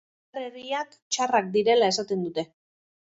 lixkarerriak txarrak direla esaten dute.